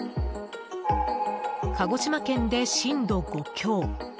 鹿児島県で震度５強。